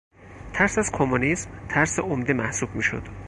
ترس از کمونیسم ترس عمده محسوب میشد.